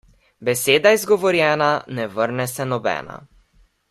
Beseda izgovorjena, ne vrne se nobena.